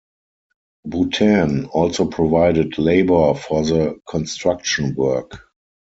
Bhutan also provided labour for the construction work.